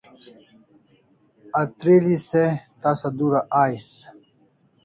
Atr'eli se tasa dura ais